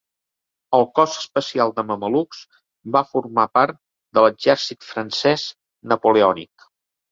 El cos especial de mamelucs va formar part de l'exèrcit francès napoleònic.